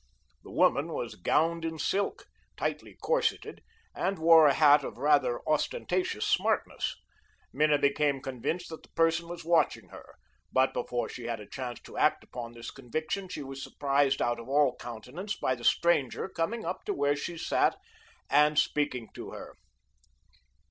The woman was gowned in silk, tightly corseted, and wore a hat of rather ostentatious smartness. Minna became convinced that the person was watching her, but before she had a chance to act upon this conviction she was surprised out of all countenance by the stranger coming up to where she sat and speaking to her.